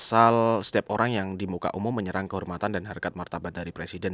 asal setiap orang yang di muka umum menyerang kehormatan dan harkat martabat dari presiden